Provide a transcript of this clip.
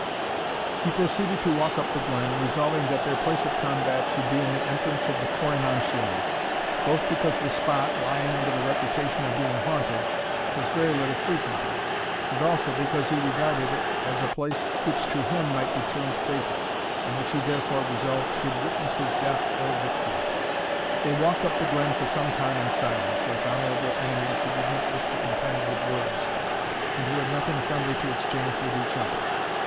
He proceeded to walk up the glen, resolving that their place of combat should be in the entrance of the Corri nan shian; both because the spot, lying under the reputation of being haunted, was very little frequented, and also because he regarded it as a place which to him might be termed fated, and which he therefore resolved should witness his death or victory. They walked up the glen for some time in silence, like honourable enemies who did not wish to contend with words, and who had nothing friendly to exchange with each other.